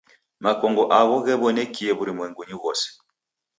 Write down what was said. Makongo agho ghaw'onekie w'urumwengunyi ghose.